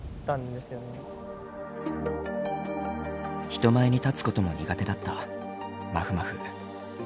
人前に立つことも苦手だったまふまふ。